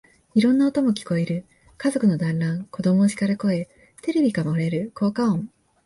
いろんな音も聞こえる。家族の団欒、子供をしかる声、テレビから漏れる効果音、